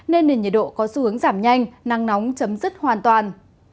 nên nền nhiệt độ có xu hướng giảm nhanh nắng nóng chấm dứt hoàn toàn